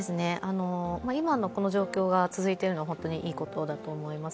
今のこの状況が続いているのは本当にいいことだと思います。